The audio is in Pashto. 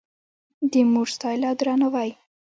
د مور ستایل او درناوی